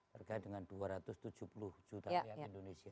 terkait dengan dua ratus tujuh puluh juta rakyat indonesia